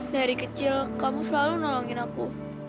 dari kecil kamu selalu nolongin aku